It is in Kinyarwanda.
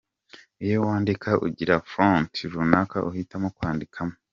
Iyo wandika ugira ‘Font’ runaka uhitamo kwandikamo.